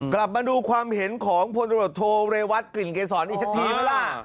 กลับมาดูความเห็นของโพนโดรโทเววัชกฤษศรอีกช้านีเมื่อล่ะ